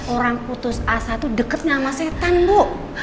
orang putus asa tuh deketnya sama setan bu